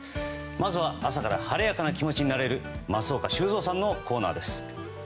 まずは朝から晴れやかな気持ちになれる松岡修造さんのコーナーです。